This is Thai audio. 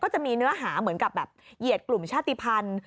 จะมีเนื้อหาเหมือนกับแบบเหยียดกลุ่มชาติภัณฑ์